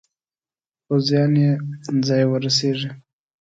پوځیان یې ځای ورسیږي.